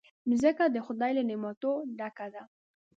مځکه د خدای له نعمتونو ډکه ده.